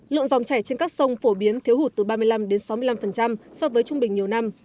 lượng dòng chảy trên các sông phổ biến thiếu hụt từ ba mươi năm sáu mươi năm so với trung bình nhiều năm